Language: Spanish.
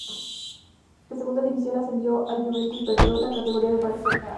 De segunda división ascendió el Juventude y perdió la categoría el Parque Real.